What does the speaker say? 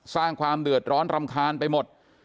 สร้างความเดือดร้อนรำคาญไปหมด